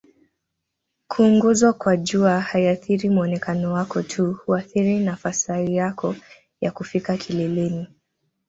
kuunguzwa kwa jua haiathiri muonekano wako tu huathiri nafasai yako ya kufika kileleni